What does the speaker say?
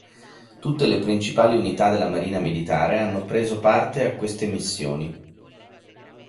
Tutte le principali unità della Marina Militare hanno preso parte a queste missioni.